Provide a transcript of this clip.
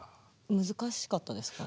難しかったですか？